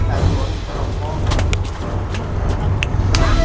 แต่กลับไปก็ทำงานได้